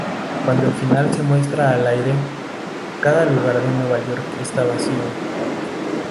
Cuando el final se muestra al aire, cada lugar en Nueva York está vacío.